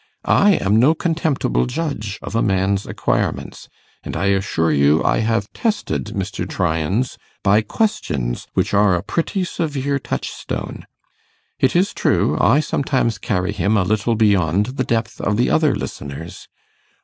I am no contemptible judge of a man's acquirements, and I assure you I have tested Mr. Tryan's by questions which are a pretty severe touchstone. It is true, I sometimes carry him a little beyond the depth of the other listeners.